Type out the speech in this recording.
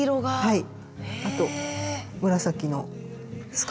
はい。